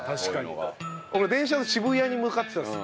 俺電車で渋谷に向かってたんですよ。